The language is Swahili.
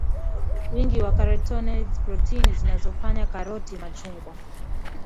wingi wa carotenoids protini zinazofanya karoti machungwa